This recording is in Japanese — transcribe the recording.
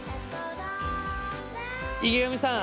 池上さん。